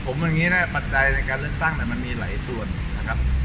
ผมว่างนี้นะครับปัจจัยในการเริ่มตั้งแต่มันมีหลายส่วนนะครับ